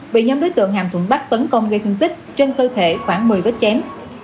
bị nhóm đối tượng hàm thuận bắc tấn công gây thương tích trên cơ thể khoảng một mươi vết chém